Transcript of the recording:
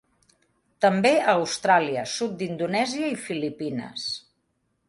També a Austràlia, sud d'Indonèsia i Filipines.